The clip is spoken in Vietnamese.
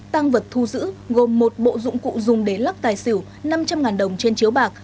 tăng vật thu giữ gồm một bộ dụng cụ dùng để lắc tài xỉu năm trăm linh đồng trên chiếu bạc